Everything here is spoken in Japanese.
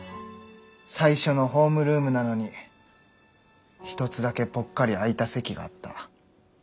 最初のホームルームなのに１つだけポッカリ空いた席があった。